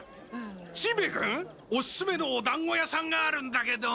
しんべヱ君おすすめのおだんご屋さんがあるんだけど。